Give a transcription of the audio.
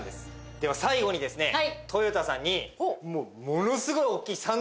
では最後にですねとよたさんにもう。